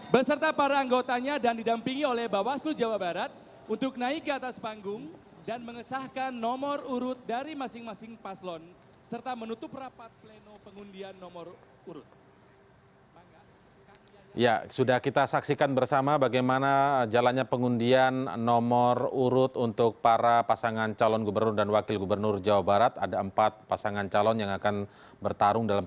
beserta para anggotanya dan didampingi oleh bawaslu jawa barat untuk naik ke atas panggung